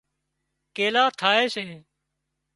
ڪيلا ٿائي سي